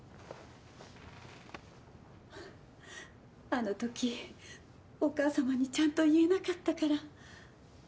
あの時お母さまにちゃんと言えなかったから。